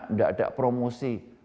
tidak ada promosi